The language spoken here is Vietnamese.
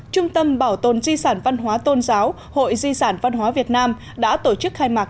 trung tâm bảo tồn di sản văn hóa tôn giáo hội di sản văn hóa việt nam đã tổ chức khai mạc